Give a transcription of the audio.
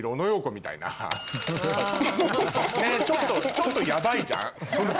ちょっとヤバいじゃん。